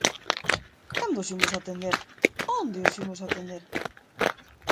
¿Cando os imos a atender?, ¿onde os imos atender?